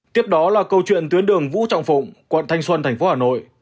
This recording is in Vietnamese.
tiếp đó là câu chuyện tuyến đường vũ trọng phụng quận thanh xuân thành phố hà nội